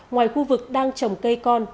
ngoài khu vực đang trồng cây con